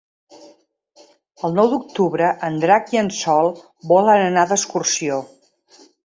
El nou d'octubre en Drac i en Sol volen anar d'excursió.